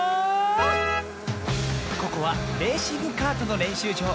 ここはレーシングカートのれんしゅうじょう。